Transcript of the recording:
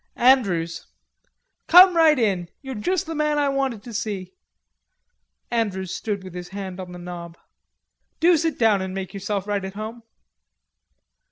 "Andrews." "Come right in.... You're just the man I wanted to see." Andrews stood with his hand on the knob. "Do sit down and make yourself right at home."